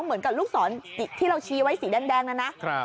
เหมือนกับลูกศรที่เราชี้ไว้สีแดงนั้นนะ